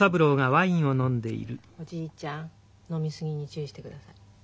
おじいちゃん飲み過ぎに注意してください。